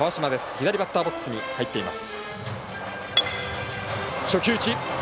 左バッターボックスに入っています。